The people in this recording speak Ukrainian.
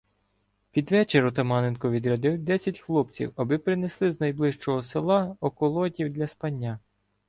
Під вечір Отаманенко відрядив десять хлопців, аби принесли з найближчого села околотів для спання.